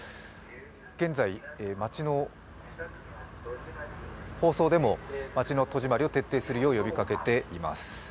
現在、町の放送でも戸締まりを徹底するよう呼びかけています。